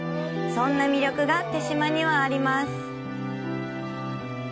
そんな魅力が豊島にはあります。